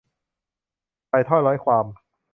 ใส่ถ้อยร้อยความ